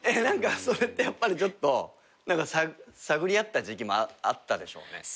何かそれってやっぱりちょっと探り合った時期もあったでしょうね。